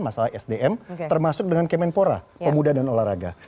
masalah sdm termasuk dengan kemenpora pemuda dan olahraga